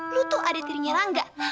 lo tuh adat dirinya rangga